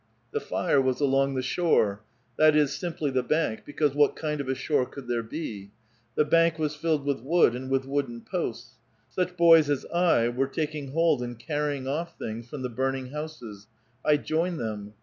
The fire was along the shore ; that is, simply the bank, because what kind of a shore could there be ? The bank was filled with wood and with wpoden posts. Such boys as I were taking hold and carrying oflf things from the burning houses. I joined them.